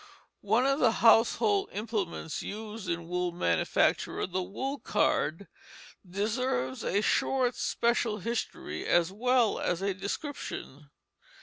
One of the household implements used in wool manufacture, the wool card, deserves a short special history as well as a description.